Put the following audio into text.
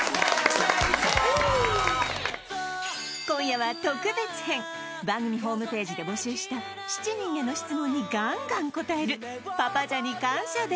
今夜は特別編番組ホームページで募集した７人への質問にガンガン答えるパパジャニ感謝